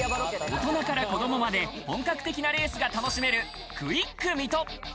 大人から子供まで本格的なレースが楽しめるクイック水戸。